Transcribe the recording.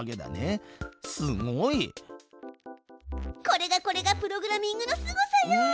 これがこれがプログラミングのすごさよ！